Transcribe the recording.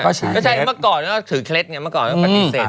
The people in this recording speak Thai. ก็ใช่แล้วขึ้นเวลาเมื่อก่อนถือเขล็ดอย่างเงี้ย